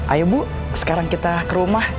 ayo bu sekarang kita ke rumah